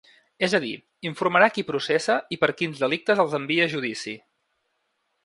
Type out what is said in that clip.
És a dir, informarà qui processa i per quins delictes els envia a judici.